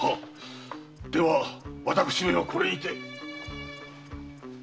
では私めはこれにて。